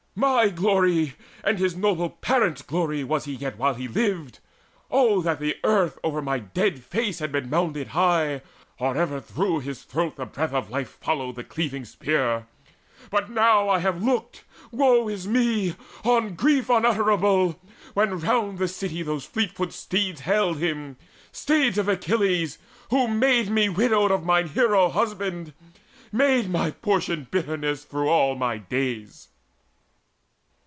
My glory and his noble parents' glory Was he while yet he lived O that the earth Over my dead face had been mounded high, Or ever through his throat the breath of life Followed the cleaving spear! But now have I Looked woe is me! on grief unutterable, When round the city those fleet footed steeds Haled him, steeds of Achilles, who had made Me widowed of mine hero husband, made My portion bitterness through all my days."